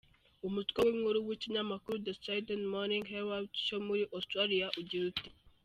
Umutwe w'inkuru w'ikinyamakuru The Sydney Morning Herald cyo muri Australia ugira uti:.